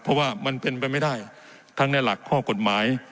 เพราะว่ามันเป็นไปไม่ได้ทั้งในหลักข้อกฎหมาย